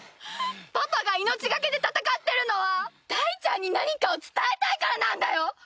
パパが命がけで戦ってるのは大ちゃんに何かを伝えたいからなんだよ！